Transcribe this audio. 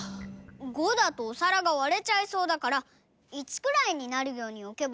５だとおさらがわれちゃいそうだから１くらいになるようにおけばいいんじゃない？